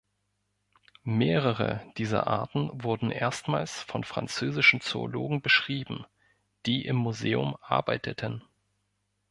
Mehrere dieser Arten wurden erstmals von französischen Zoologen beschrieben, die im Museum arbeiteten.